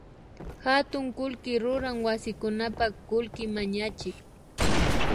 Hatun kullki ruran wasikunapak kullki mañachik